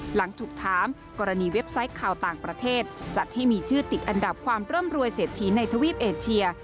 หลังถูกถามกรณีเว็บไซต์ข่าวต่างประเทศจัดให้มีชื่อติดอันดับความร่ำรวยเศรษฐีในทวีปเอเชีย